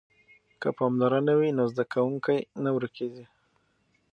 که پاملرنه وي نو زده کوونکی نه ورکیږي.